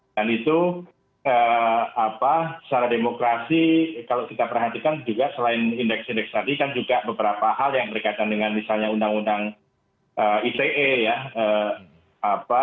dan itu secara demokrasi kalau kita perhatikan juga selain indeks indeks tadi kan juga beberapa hal yang berkaitan dengan misalnya undang undang ite ya